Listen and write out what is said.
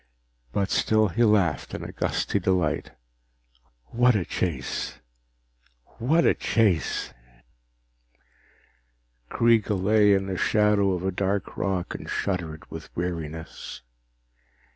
But still he laughed in gusty delight. What a chase! What a chase! Kreega lay in the shadow of a tall rock and shuddered with weariness.